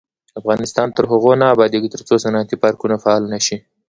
افغانستان تر هغو نه ابادیږي، ترڅو صنعتي پارکونه فعال نشي.